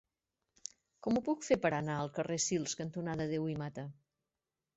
Com ho puc fer per anar al carrer Sils cantonada Deu i Mata?